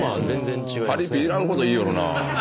パリピいらんこと言いよるなぁ。